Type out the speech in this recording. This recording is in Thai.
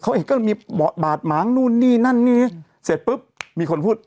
เขาเองก็มีบาดหมางนู่นนี่นั่นนี่เสร็จปุ๊บมีคนพูด